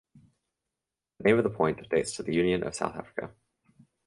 The name of the point dates to the Union of South Africa.